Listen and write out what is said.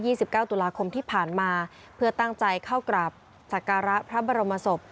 สิบเก้าตุลาคมที่ผ่านมาเพื่อตั้งใจเข้ากราบสักการะพระบรมศพ